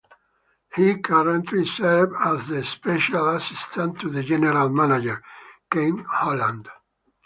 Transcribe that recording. He currently serves as the special assistant to the general manager, Ken Holland.